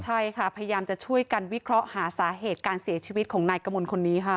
ใช่ค่ะพยายามจะช่วยกันวิเคราะห์หาสาเหตุการเสียชีวิตของนายกมลคนนี้ค่ะ